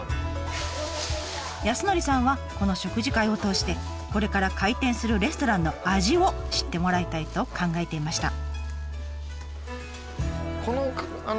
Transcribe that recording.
康典さんはこの食事会を通してこれから開店するレストランの味を知ってもらいたいと考えていました。